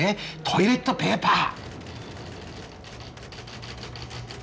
トイレットペーパー！